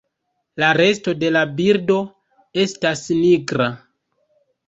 La resto de la birdo estas nigra.